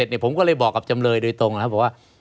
ไม่มีครับไม่มีครับ